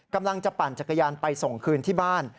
กำลังจะปั่นจักรยานไปส่งคืนที่บ้าน